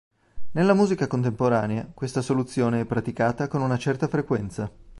Nella musica contemporanea questa soluzione è praticata con una certa frequenza.